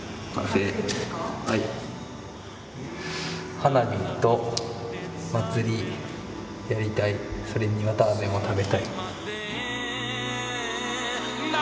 「花火と祭りやりたいそれに綿あめも食べたい」。